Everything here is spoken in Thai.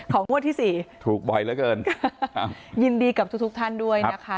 ของงวดที่สี่ถูกไวแล้วเกินครับยินดีกับทุกทุกท่านด้วยนะคะ